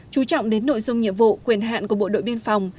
chú trọng đến nội dung nhiệm vụ quyền hạn của bộ đội biên phòng